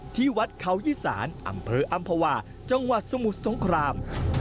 ที่วัดเขายี่สานอำเภออำภาวาจังหวัดสมุทรสงคราม